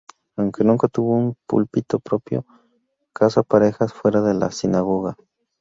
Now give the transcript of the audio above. Aunque nunca tuvo un púlpito propio, casa parejas fuera de la sinagoga.